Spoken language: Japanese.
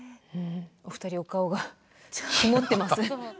お二人お顔が曇ってます。